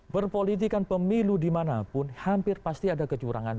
berpolitikan pemilu dimanapun hampir pasti ada kecurangan